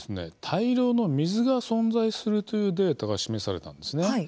大量の水が存在するというデータが示されたんですね。